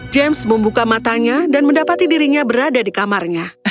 james membuka matanya dan mendapati dirinya berada di kamarnya